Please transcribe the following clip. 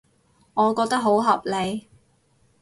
我覺得好合理